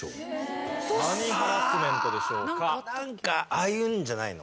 ああいうんじゃないの？